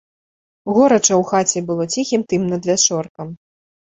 Горача ў хаце было ціхім тым надвячоркам.